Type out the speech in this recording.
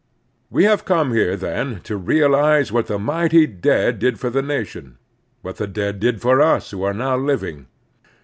We have come here, then, to realize what the mighty dead did for the nation, what the dead did for us who are now living.